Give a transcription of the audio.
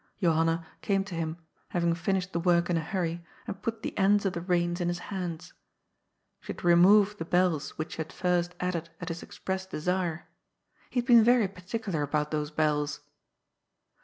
Johanna came to him, having finished the work in a hurry, and put the ends of the reins in his hands. She had removed the bells which she had first added at his express desire. He had been very particular about those bells.